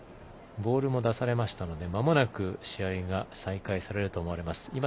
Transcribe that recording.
ボールが出されましたのでまもなく試合が再開されると思われます。